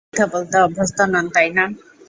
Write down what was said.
আপনি মিথ্যে বলতে অভ্যস্ত নন, তাই না?